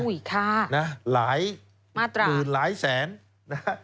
อุ๊ยค่ะมาตราหลายหมื่นหลายแสนนะ